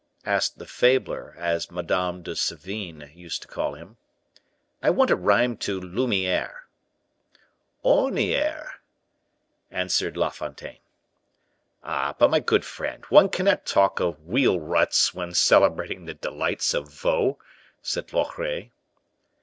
asked the Fabler as Madame de Sevigne used to call him. "I want a rhyme to lumiere." "Orniere," answered La Fontaine. "Ah, but, my good friend, one cannot talk of wheel ruts when celebrating the delights of Vaux," said Loret.